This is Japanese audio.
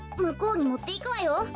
むこうにもっていくわよ。